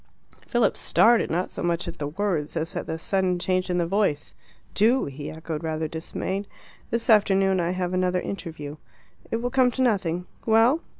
Philip started, not so much at the words as at the sudden change in the voice. "Do?" he echoed, rather dismayed. "This afternoon I have another interview." "It will come to nothing. Well?"